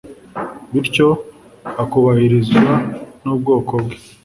Bityo akubahirizwa n'ubwoko bwe;